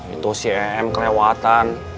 itu si em kelewatan